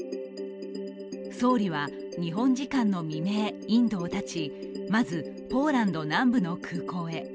総理は日本時間の未明、インドを発ちまず、ポーランド南部の空港へ。